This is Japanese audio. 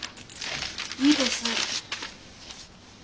いいです。